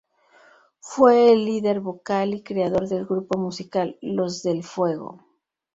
Fue el líder vocal y creador del grupo musical "Los del Fuego".